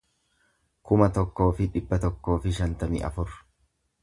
kuma tokkoo fi dhibba tokkoo fi shantamii afur